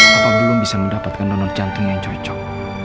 atau belum bisa mendapatkan donor jantung yang cocok